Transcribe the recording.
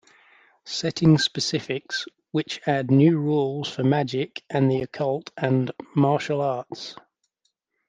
Setting Specifics, which add new rules for magic and the occult, and martial arts.